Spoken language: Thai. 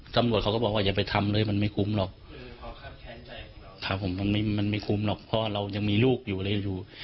ตำรวจเขาก็บอกว่าอย่าไปทำเลยมันไม่คุ้มหรอกครับผมมันไม่คุ้มหรอกเพราะเรายังมีลูกอยู่อะไรอยู่